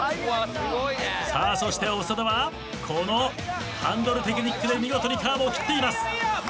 そして長田はこのハンドルテクニックで見事にカーブを切っています。